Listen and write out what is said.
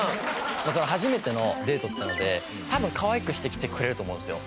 初めてのデートなので多分かわいくしてきてくれると思うんですよ。